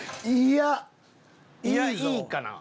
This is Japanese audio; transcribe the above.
いやいいんかな？